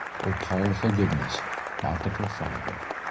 "_O powerful Goodness! bountiful Father!